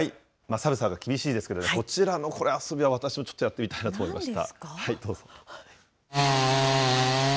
寒さが厳しいですけど、こちらのこの遊びは、私もちょっとやってみたいなと思いました。